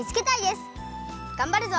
がんばるぞ！